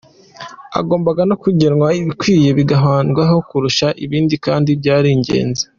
Hagombaga no kugenwa ibikwiye kwibandwaho kurusha ibindi kandi byari ingenzi.